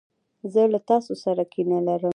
زه له تاسو سره کینه لرم.